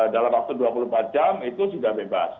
dalam waktu dua puluh empat jam itu sudah bebas